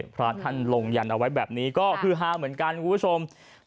พระท่านลงยันเอาไว้แบบนี้ก็คือฮาเหมือนกันคุณผู้ชม